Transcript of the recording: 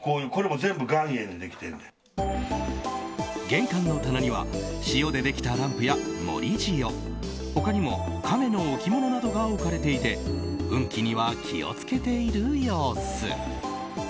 玄関の棚には塩でできたランプや盛り塩他にもカメの置物などが置かれていて運気には気をつけている様子。